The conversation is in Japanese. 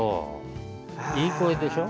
いい声でしょ？